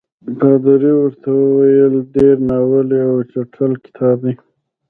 پادري ورته وویل ډېر ناولی او چټل کتاب دی.